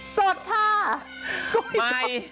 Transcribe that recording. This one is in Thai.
สวัสดีค่ะ